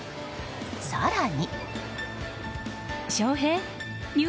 更に。